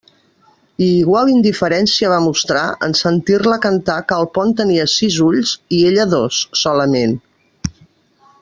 I igual indiferència va mostrar en sentir-la cantar que el pont tenia sis ulls, i ella dos «solament».